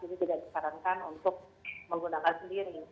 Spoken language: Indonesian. jadi tidak disarankan untuk menggunakan sendiri